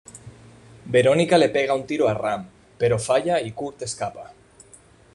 Verónica le pega un tiro a Ram, pero falla y Kurt escapa.